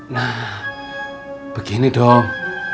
nah begini dong